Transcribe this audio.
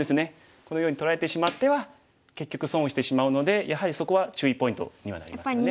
このように取られてしまっては結局損をしてしまうのでやはりそこは注意ポイントにはなりますね。